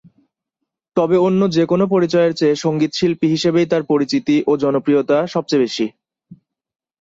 তবে অন্য যে কোনো পরিচয়ের চেয়ে সঙ্গীতশিল্পী হিসেবেই তার পরিচিতি ও জনপ্রিয়তা সবচেয়ে বেশি।